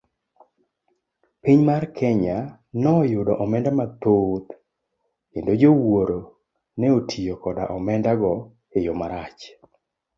Piny mar Kenya noyudo omenda mathoth kendo jowuoro neotiyo koda omenda go eyo marach.